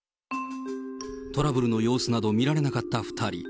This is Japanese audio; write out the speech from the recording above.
トラブルの様子など見られなかった２人。